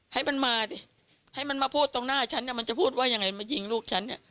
ให้มันมาสิให้มันมาพูดตรงหน้าฉันมันจะพูดว่ายังไงมายิงลูกฉันเนี่ย